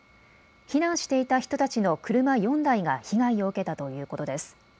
避難していた人たちの車４台が被害を受けたということです。